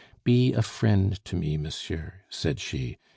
"Be a friend to me, monsieur," said she.